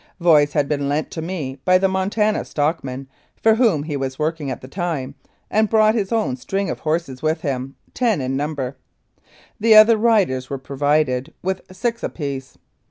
Voice had been lent to me by the Montana stock man for whom he was working at the time, and brought his own string of horses with him, ten in number. The other riders were provided with six a piece.